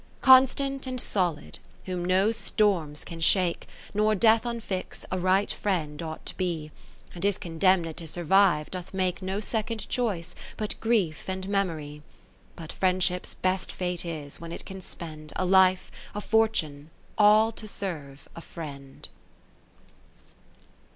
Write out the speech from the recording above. XV Constant and solid, whom no storms can shake, Nor death unfix, a right friend ought to be ; And if condemned to survive, doth make A Friend No second choice, but Grief and Memory. But Friendship's best fate is, when it can spend A life, a fortune, all to serve a Friend.